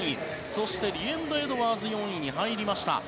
そしてリエンド・エドワーズが４位に入りました。